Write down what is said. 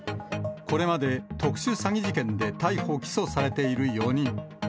これまで特殊詐欺事件で逮捕・起訴されている４人。